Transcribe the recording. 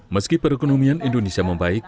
meski perekonomian indonesia memperkenalkan